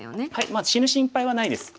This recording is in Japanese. まあ死ぬ心配はないです。